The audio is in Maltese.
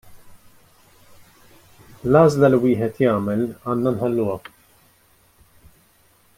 L-għażla li wieħed jagħmel għandna nħalluha.